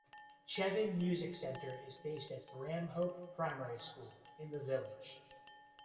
Chevin Music Centre is based at Bramhope Primary School in the village.